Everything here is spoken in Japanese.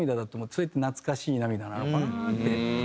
それって懐かしい涙なのかなって。